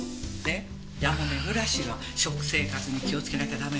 やもめ暮らしは食生活に気をつけなきゃダメよ。